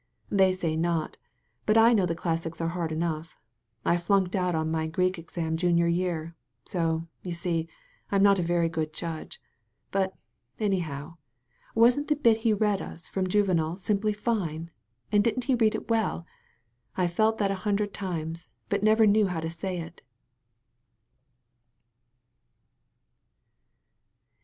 They say not; but I know the classics are hard enough. I flunked out on my Greek exam junior year. So, you see, I'm not a very good judge. But, anyhow, wasn't the bit he read us from Juvenal simply fine? And didn't he read it well ? I've felt that a hundred times, but never knew how to say it.'